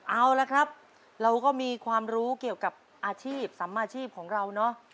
เอาละครับเราก็มีความรู้เกี่ยวกับอาชีพสำอาชีพของเราเนอะ